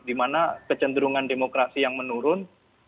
di mana kecenderungan demokrasi yang menurun